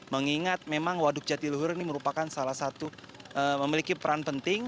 mengingat memang waduk jatiluhur ini merupakan salah satu memiliki peran penting